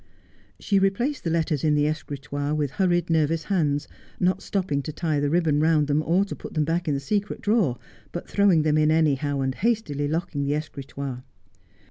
She replaced the letters in the escritoire with hurried, nervous hands, not stopping to tie the ribbon round them, or to Eut them back in the secret drawer, but throwing them in any ow, and hastily locking the escritoire.